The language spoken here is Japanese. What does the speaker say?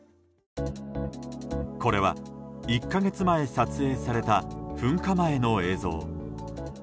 これは、１か月前撮影された噴火前の映像。